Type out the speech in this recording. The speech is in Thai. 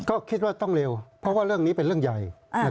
ก็คิดว่าต้องเร็วเพราะว่าเรื่องนี้เป็นเรื่องใหญ่